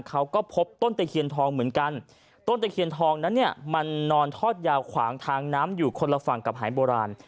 เขาก็พบต้นตะเคียนทองเหมือนกันต้นตะเคียนทองนั้นเนี่ยมันนอนทอดยาวขวางทางน้ำอยู่คนละฝั่งกับหายโบราณ